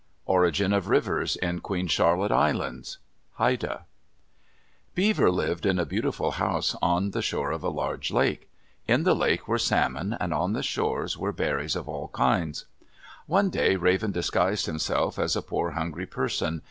ORIGIN OF RIVERS IN QUEEN CHARLOTTE ISLANDS Haida Beaver lived in a beautiful house on the shore of a large lake. In the lake were salmon and on the shores were berries of all kinds. One day Raven disguised himself as a poor, hungry person.